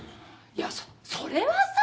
いやそれはさ。